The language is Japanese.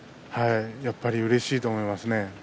やっぱりうれしいと思いますね。